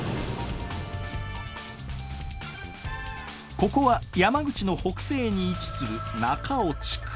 ここは山口の北西に位置する中尾地区。